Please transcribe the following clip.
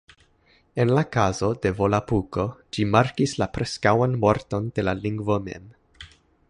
En la kazo de Volapuko ĝi markis la preskaŭan morton de la lingvo mem